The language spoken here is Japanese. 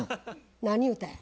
何言うたんや。